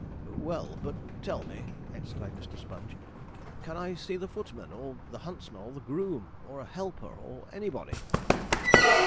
'Well, but tell me,' exclaimed Mr. Sponge, 'can I see the footman, or the huntsman, or the groom, or a helper, or anybody?'